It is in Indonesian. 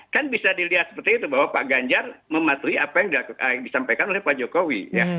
kan bisa dilihat seperti itu bahwa pak ganjar mematuhi apa yang disampaikan oleh pak jokowi